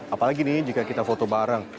apalagi nih jika kita foto bareng